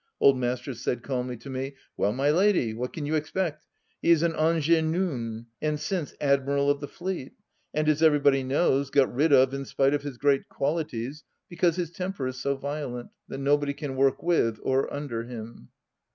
Old Masters said calmly to me, " Well, my lady, what can you expect ? He is an Angernoune !" And since Admiral of the Fleet ; and, as everybody knows, got rid of in spite of his great qualities, because his temper is so violent, that nobody can work with or under him.